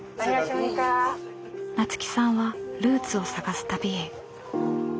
菜津紀さんはルーツを探す旅へ。